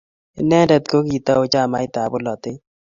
inendet ko kiitou chamaitab bolatet.